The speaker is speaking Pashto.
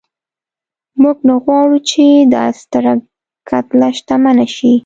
موږ نه غواړو چې دا ستره کتله شتمنه شي.